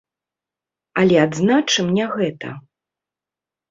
Але адзначым не гэта.